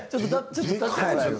ちょっと立ってもらえる？